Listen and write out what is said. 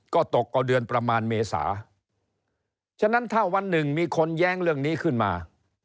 ก็ตกเอาเดือนประมาณเมษาฉะนั้นถ้าวันหนึ่งมีคนแย้งเรื่องนี้ขึ้นมา